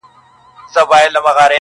هر دلیل ته یې راوړله مثالونه،